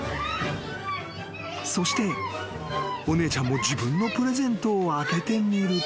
［そしてお姉ちゃんも自分のプレゼントを開けてみると］